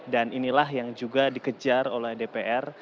dan inilah yang juga dikejar oleh dpr